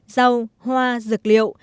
rau hoa dược liệu